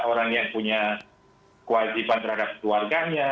orang yang punya kewajiban terhadap keluarganya